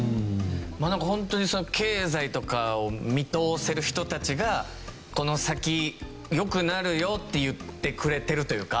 なんか本当に経済とかを見通せる人たちが「この先良くなるよ」って言ってくれてるというか。